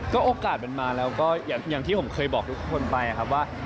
ก็โอกาสมันมาแล้วก็อย่างที่ผมเคยบอกทุกคนไปครับว่า